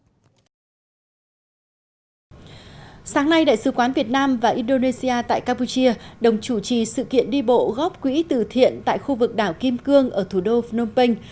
sáng nay đại sứ quán việt nam và indonesia tại campuchia đồng chủ trì sự kiện đi bộ góp quỹ từ thiện tại khu vực đảo kim cương ở thủ đô phnom penh